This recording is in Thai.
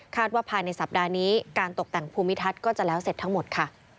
ว่าภายในสัปดาห์นี้การตกแต่งภูมิทัศน์ก็จะแล้วเสร็จทั้งหมดค่ะ